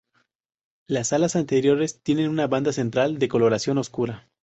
Las alas anteriores tienen una banda central de coloración oscura.